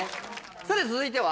さて続いては？